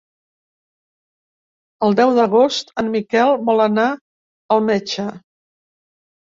El deu d'agost en Miquel vol anar al metge.